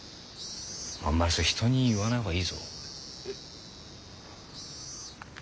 あんまりそれ人に言わない方がいいぞ。